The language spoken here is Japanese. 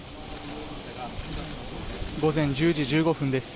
午前１０時１５分です。